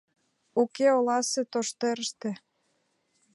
— Уке, оласе тоштерыште.